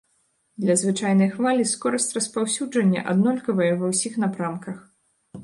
Для звычайнай хвалі скорасць распаўсюджання аднолькавая ва ўсіх напрамках.